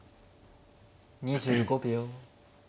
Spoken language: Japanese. ２５秒。